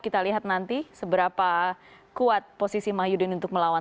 kita lihat nanti seberapa kuat posisi mahyudin untuk melawan